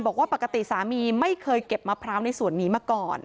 บอกว่าปกติสามีไม่เคยเก็บมะพร้าวในส่วนนี้มาก่อน